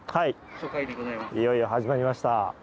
いよいよ始まりました。